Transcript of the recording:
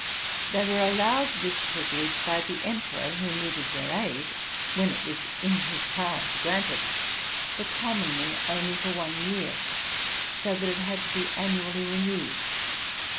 They were allowed this privilege by the emperor, who needed their aid, when it was in his power to grant it, but commonly only for one year; so that it had to be annually renewed.